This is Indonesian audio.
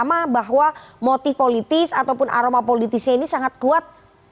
akan hal yang sama bahwa motif politis ataupun aroma politisnya ini sangat kuat